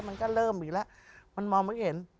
มันก็เริ่มอีกแล้วมันมองไม่เห็น